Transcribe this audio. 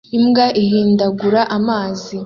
Imbwa ihindagura amazi